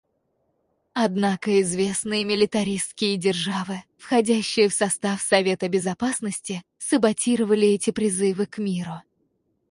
Однако известные милитаристские державы, входящие в состав Совета Безопасности, саботировали эти призывы к миру.